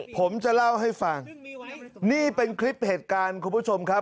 ผมจะเล่าให้ฟังนี่เป็นคลิปเหตุการณ์คุณผู้ชมครับ